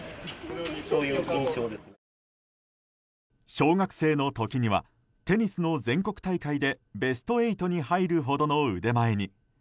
小学生の時にはテニスの全国大会でベスト８に入るほどの腕前に。